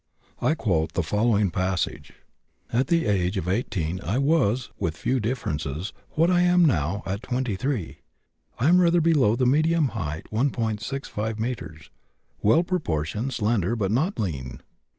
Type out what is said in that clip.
I quote the following passage: "At the age of 18 I was, with few differences, what I am now (at 23). I am rather below the medium height (1.65 metres), well proportioned, slender, but not lean.